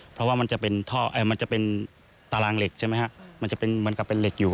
เพราะว่ามันจะเป็นมันกระเป็นเหล็กอยู่